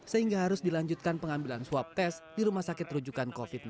sehingga harus dilanjutkan pengambilan swab test di rumah sakit rujukan covid sembilan belas